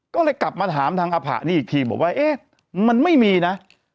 ก็เลยกลับมาถามทางอภะนี่อีกทีบอกว่าเอ๊ะมันไม่มีนะ